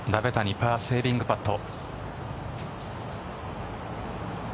パーセービングパット。